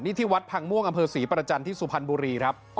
นี่ที่วัดพังม่วงอำเภอศรีประจันทร์ที่สุพรรณบุรีครับ